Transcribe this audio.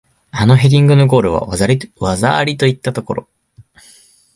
あのヘディングのゴールは技ありといったところ